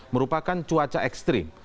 merupakan cuaca ekstrim